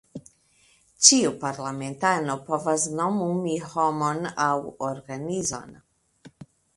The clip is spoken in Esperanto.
Ĉiu parlamentano povas nomumi homon aŭ organizon.